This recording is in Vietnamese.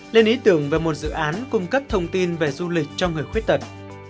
lên ý tưởng về một dự án cung cấp thông tin về du lịch cho người khuyết tật